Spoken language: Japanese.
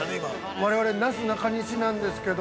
◆我々、なすなかにしなんですけど。